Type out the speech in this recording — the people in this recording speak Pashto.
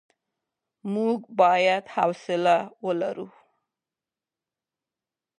موږ بايد حوصله ولرو.